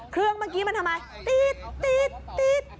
เครื่องเมื่อกี้มันทำไมตี๊ดตี๊ดตี๊ด